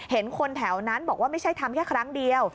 เห็นคนแถวนั้นบอกว่าไม่ใช่ทำแค่ครั้งเดียว